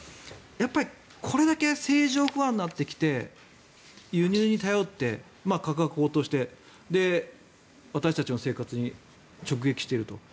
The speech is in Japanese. これだけ政情不安になってきて輸入に頼って、価格を落として私たちの生活に直撃していると。